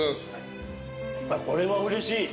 これはうれしい。